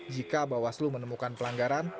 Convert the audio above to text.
jika bawaslu menemukan pelanggaran